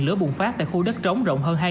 lửa bùng phát tại khu đất trống rộng hơn